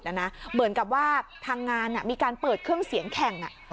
เหมือนกับว่าทางงานมีการเปิดเครื่องเสียงแข่ง